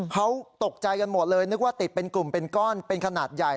เขาตกใจกันหมดเลยนึกว่าติดเป็นกลุ่มเป็นก้อนเป็นขนาดใหญ่